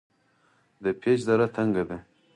د پیج دره تنګه ده